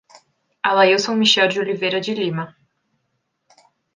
Alailson Michel de Oliveira de Lima